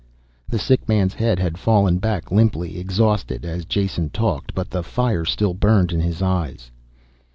The sick man's head had fallen back limply, exhausted, as Jason talked. But the fire still burned in the eyes.